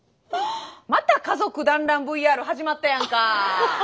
また家族団らんＶＲ始まったやんか。